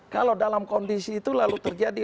kalau dalam kondisi itu lalu terjadi